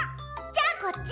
じゃあこっち！